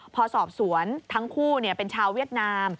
พอสอบสวนทั้งคู่เป็นชาวเวียดนาม